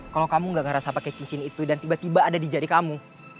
kalau kamu gak ngerasa pakai cincin itu dan tiba tiba ada di jari kamu